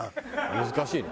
難しいな。